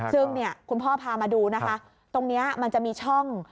ซึ่งคุณพ่อพามาดูนะคะตรงนี้มันจะมีช่อง